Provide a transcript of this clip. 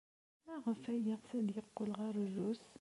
Maɣef ay yeɣs ad yeqqel ɣer Rrus?